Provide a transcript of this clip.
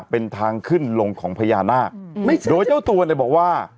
เป็นทางขึ้นลงของพญานาคโดยเจ้าตัวเนี่ยบอกว่า